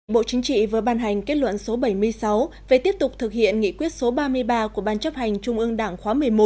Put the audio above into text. bộ chính trị vừa ban hành kết luận số bảy mươi sáu về tiếp tục thực hiện nghị quyết số ba mươi ba của ban chấp hành trung ương đảng khóa một mươi một